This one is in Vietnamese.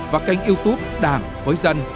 và kênh youtube đảng với dân